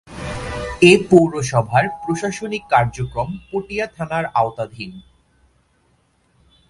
এ পৌরসভার প্রশাসনিক কার্যক্রম পটিয়া থানার আওতাধীন।